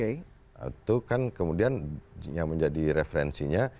itu kan kemudian yang menjadi referensinya